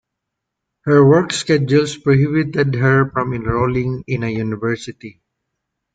Her work schedules prohibited her from enrolling in a university.